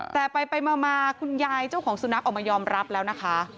แต่ไปมาคุณยายเจ้าของสุนัขออกมายอมรับแล้วนะคะ